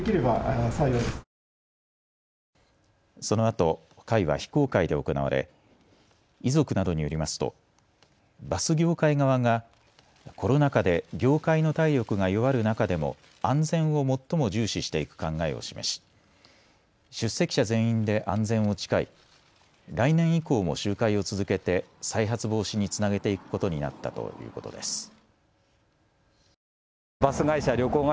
そのあと会は非公開で行われ、遺族などによりますとバス業界側がコロナ禍で業界の体力が弱る中でも安全を最も重視していく考えを示し出席者全員で安全を誓い来年以降も集会を続けて再発防止につなげていくことになったということです。